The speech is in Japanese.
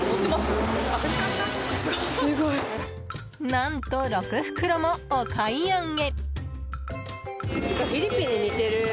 何と６袋も、お買い上げ！